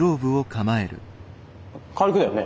軽くだよね？